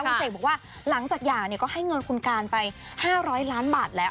คุณเสกบอกว่าหลังจากหย่าก็ให้เงินคุณการไป๕๐๐ล้านบาทแล้ว